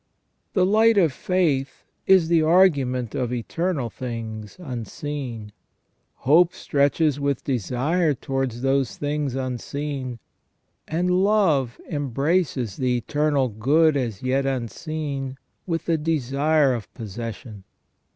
The light of faith is the argument of eternal things unseen ; hope stretches with desire towards those things unseen ; and love embraces the eternal good as yet unseen with the desire of possession.